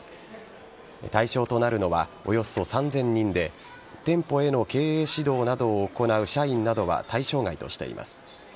対象となるのはおよそ３０００人で店舗への経営指導などを行う社員などは対象外としています。